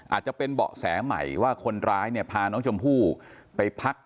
อาจจะเป็นเบาะแสใหม่ว่าคนร้ายเนี่ยพาน้องชมพู่ไปพัก